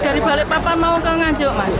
dari balikpapan mau ke nganjuk mas